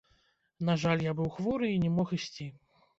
На жаль, я быў хворы і не мог ісці.